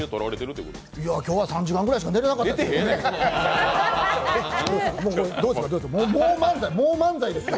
いや、今日は３時間ぐらいしか寝てないですね。